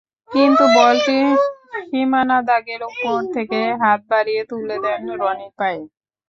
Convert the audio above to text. কিন্তু বলটি সীমানাদাগের ওপর থেকে হাত বাড়িয়ে তুলে দেন রনির পায়ে।